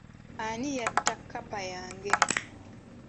Ani yatta kkapa yange.